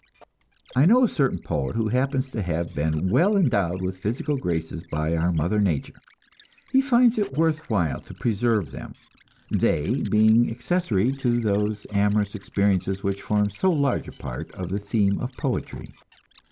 I know a certain poet, who happens to have been well endowed with physical graces by our mother nature. He finds it worth while to preserve them they being accessory to those amorous experiences which form so large a part of the theme of poetry.